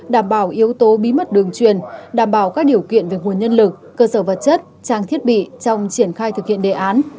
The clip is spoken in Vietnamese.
đảm bảo yếu tố bí mật đường truyền đảm bảo các điều kiện về nguồn nhân lực cơ sở vật chất trang thiết bị trong triển khai thực hiện đề án